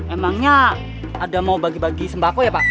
emangnya ada mau bagi bagi sembako ya pak